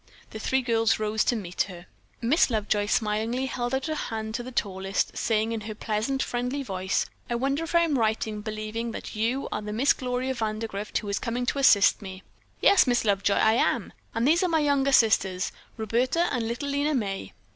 The three girls rose to greet her. Miss Lovejoy smilingly held out a hand to the tallest, saying in her pleasant, friendly voice, "I wonder if I am right in believing that you are the Miss Gloria Vandergrift who is coming to assist me." "Yes, Miss Lovejoy, I am, and these are my younger sisters, Roberta and little Lena May."